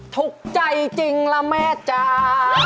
ถูกใจจริงล่ะแม่จ้า